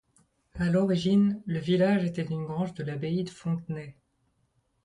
À l’origine le village était une grange de l’abbaye de Fontenay.